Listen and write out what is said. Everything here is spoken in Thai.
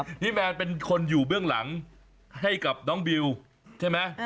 พี่แมนเป็นคนอยู่เบื้องหลังให้กับน้องบิวใช่ไหม